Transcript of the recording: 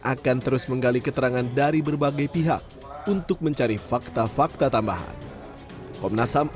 akan terus menggali keterangan dari berbagai pihak untuk mencari fakta fakta tambahan komnas ham